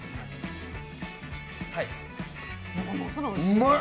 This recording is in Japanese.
うまい！